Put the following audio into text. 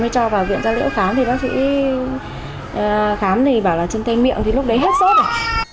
mới cho vào viện ra lễ khám thì bác sĩ khám thì bảo là chân tay miệng thì lúc đấy hết sốt rồi